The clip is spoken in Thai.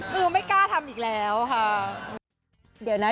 คือไม่กล้าทำอีกแล้วค่ะ